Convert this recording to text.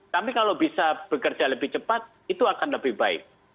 tapi kalau bisa bekerja lebih cepat itu akan lebih baik